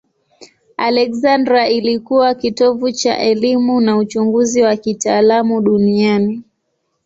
Aleksandria ilikuwa kitovu cha elimu na uchunguzi wa kitaalamu duniani.